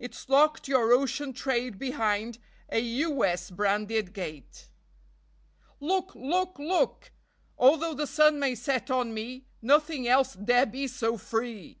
It's locked your ocean trade behind A " U. S." branded gate. Look! Look ! Look! Although the sun may set on me, Nothing else dare be so free!